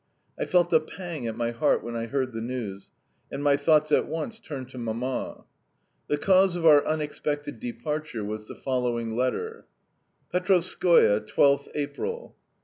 I felt a pang at my heart when I heard the news, and my thoughts at once turned to Mamma. The cause of our unexpected departure was the following letter: "PETROVSKOE, 12th April.